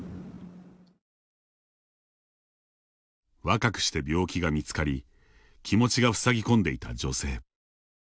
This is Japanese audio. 若くして病気が見つかり気持ちがふさぎ込んでいた女性。